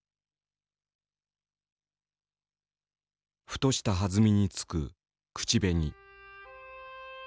ふとしたはずみに付く口紅。